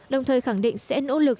đồng thời khẳng định sẽ nỗ lực